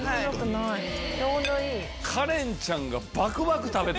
カレンちゃんが。